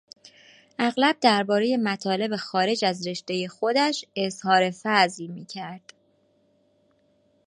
اغلب دربارهی مطالب خارج از رشتهی خودش اظهار فضل میکرد.